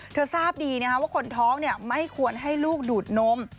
เธอทราบดีนะครับว่าคนท้องเนี่ยไม่ควรให้ลูกดูดนม